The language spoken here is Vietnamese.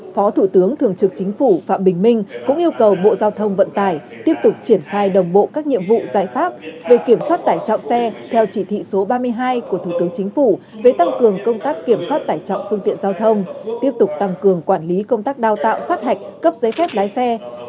phó thủ tướng thường trực chính phủ phạm bình minh cũng yêu cầu bộ giao thông vận tải tiếp tục triển khai đồng bộ các nhiệm vụ giải pháp về kiểm soát tải trọng xe theo chỉ thị số ba mươi hai của thủ tướng chính phủ về tăng cường công tác kiểm soát tải trọng phương tiện giao thông tiếp tục tăng cường quản lý công tác đào tạo sát hạch cấp giấy phép lái xe